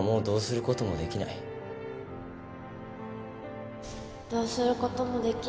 どうすることもできないよね。